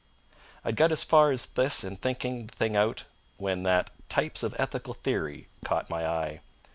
I had got as far as this in thinking the thing out when that "Types of Ethical Theory" caught my eye.